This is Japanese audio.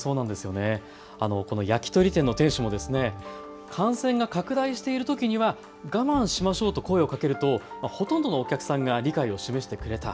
この焼き鳥店の店主も感染が拡大しているときには我慢しましょうと声をかけるとほとんどのお客さんが理解を示してくれた。